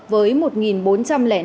với một bốn trăm linh năm ca